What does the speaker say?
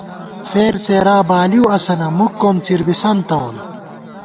فېر څېرا بالِؤ اسَنہ ، مُک کومڅِر بِسن تَوون